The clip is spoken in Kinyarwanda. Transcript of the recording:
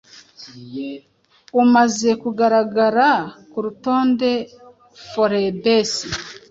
umaze kugaragara ku rutonde Forbes